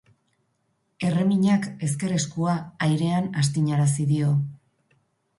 Erreminak ezker eskua airean astinarazi dio.